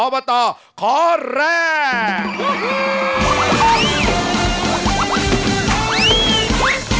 อบตขอแรก